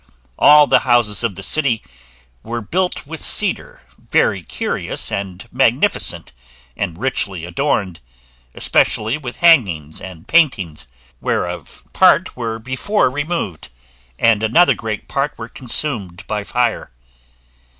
All the houses of the city were built with cedar, very curious and magnificent, and richly adorned, especially with hangings and paintings, whereof part were before removed, and another great part were consumed by fire.